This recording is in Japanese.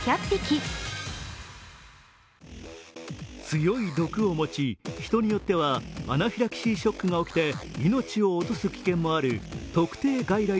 強い毒を持ち、人によってはアナフィラキシーショックが起きて命を落とす危険もある特定外来